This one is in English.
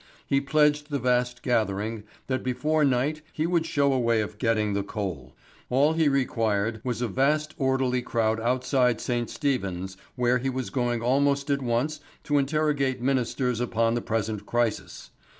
He pledged the vast gathering that before night he would show a way of getting the coal. All he required was a vast orderly crowd outside St. Stephen's where he was going almost at once to interrogate Ministers upon the present crisis.